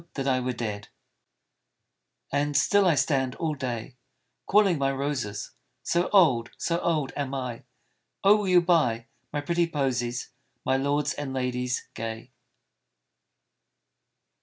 that I were dead I " And still I stand all day Calling my roses, So old, so old am I, " Oh ! will you buy My pretty posies My lords and ladies gay?"